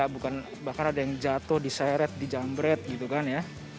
bahkan ada yang jatuh di seret di jamret gitu kan ya